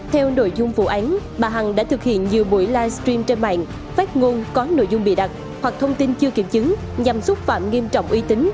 theo nội dung vụ án bà hằng đã thực hiện nhiều buổi livestream trên mạng phát ngôn có nội dung bịa đặt hoặc thông tin chưa kiểm chứng nhằm xúc phạm nghiêm trọng uy tín